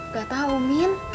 gak tau min